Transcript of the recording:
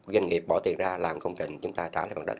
doanh nghiệp bỏ tiền ra làm công trình chúng ta trả lại bằng đất